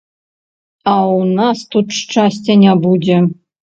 А ў нас тут шчасця не будзе.